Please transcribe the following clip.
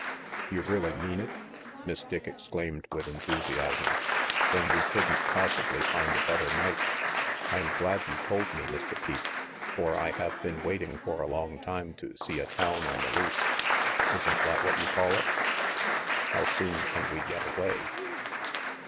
"You really mean it?" Miss Dick exclaimed with enthusiasm. "Then we couldn't possibly find a 160 RANGY PETE better night. I am glad you told me, Mr. Pete, for I have been waiting for a long time to see a town on the loose isn't that what you call it? How soon can we get away?"